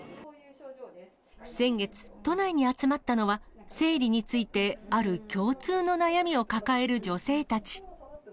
先月、都内に集まったのは、生理についてある共通の悩みを抱える女性たち。